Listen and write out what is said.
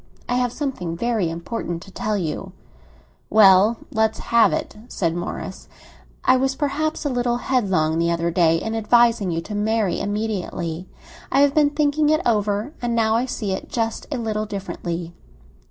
I have something very important to tell you." "Well, let's have it," said Morris. "I was perhaps a little headlong the other day in advising you to marry immediately. I have been thinking it over, and now I see it just a little differently."